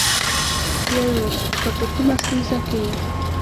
بیا یې وویل: که په کومه ستونزه کې یې.